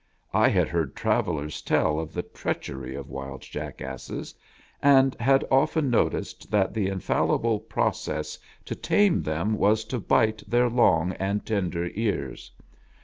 I had heard travellers tell of the treachery of Wild Jackasses, and had often noticed that the infallible process to tame them was to bite their long and tender ears.